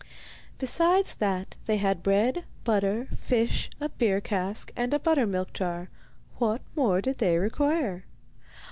Besides that, they had bread, butter, fish, a beer cask, and a buttermilk jar; what more did they require?